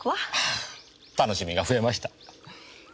ああ楽しみが増えました。